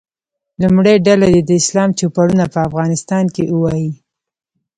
لومړۍ ډله دې د اسلام چوپړونه په افغانستان کې ووایي.